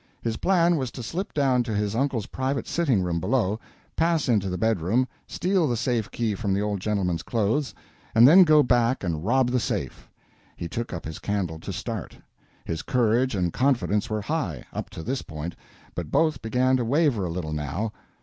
His plan was, to slip down to his uncle's private sitting room below, pass into the bedroom, steal the safe key from the old gentleman's clothes, and then go back and rob the safe. He took up his candle to start. His courage and confidence were high, up to this point, but both began to waver a little, now.